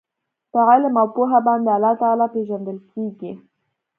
په علم او پوهه باندي الله تعالی پېژندل کیږي